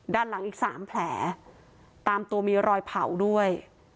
ด้านหลังอีกสามแผลตามตัวมีรอยเผาด้วย